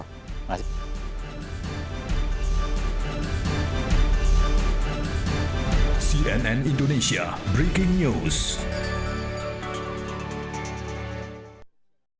cnn indonesia breaking news